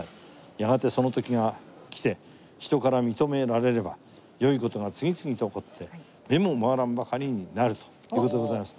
「やがてその時が来て人から認められれば良いことが次々と起こって目も回らんばかりになる」という事でございますんで。